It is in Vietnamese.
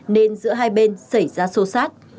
nên giữa hai bên xảy ra sâu sát